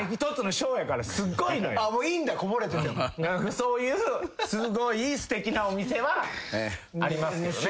そういうすごいすてきなお店はありますけどね。